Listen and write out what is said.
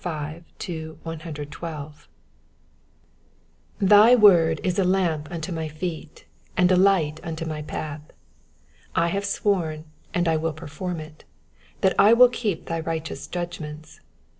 243 EXPOSITION OF VERSES 105 to 112. THY word is a lamp unto my feet, and a light unto my path. io6 I have sworn, and I will perform zV, that I will keep thy righteous judgments.